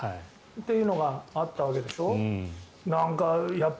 というのがあったわけでしょ。